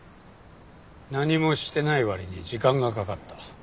何もしてない割に時間がかかった。